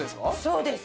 そうです。